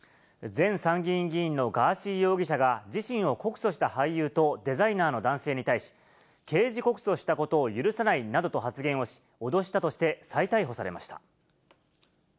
前参議院議員のガーシー容疑者が、自身を告訴した俳優とデザイナーの男性に対し、刑事告訴したことを許さないなどと発言をし、脅したとして、再逮捕されました。